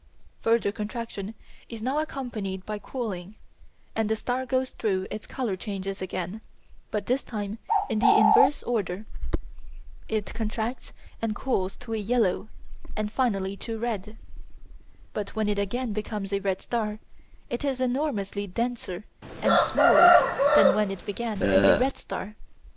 Further contraction is now accompanied by cooling, and the star goes through its colour changes again, but this time in the inverse order. It contracts and cools to yellow and finally to red. But when it again becomes a red star it is enormously denser and smaller than when it began as a red star.